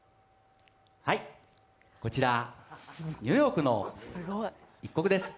はい、こちら、ニューヨークのいっこくです。